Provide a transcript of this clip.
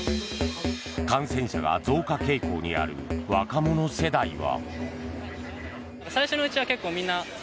感染者が増加傾向にある若者世代は。